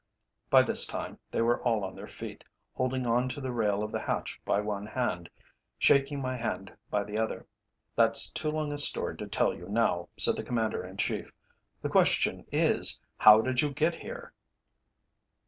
By this time they were all on their feet, holding on to the rail of the hatch by one hand, shaking my hand by the other. "That's too long a story to tell you now," said the Commander in Chief. "The question is, how did you get here?"